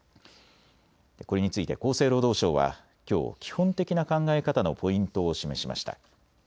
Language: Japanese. これについて厚生労働省はきょう基本的な考え方のポイントを示しました。